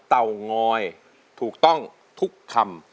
เตางอยถูกต้องทุกคำ